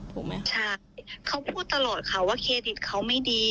ถูกไหมใช่เขาพูดตลอดค่ะว่าเครดิตเขาไม่ดี